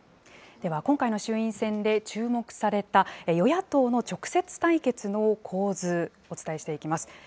では今回の衆院選で注目された与野党の直接対決の構図、お伝えしていきます。